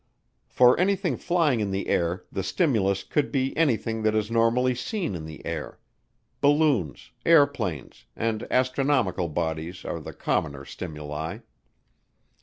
For anything flying in the air the stimulus could be anything that is normally seen in the air. Balloons, airplanes, and astronomical bodies are the commoner stimuli.